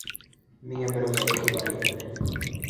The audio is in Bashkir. Миңә берәү ҙә иғтибар итмәне.